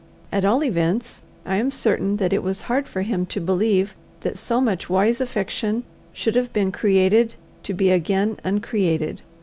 At all events I am certain that it was hard for him to believe that so much wise affection should have been created to be again uncreated.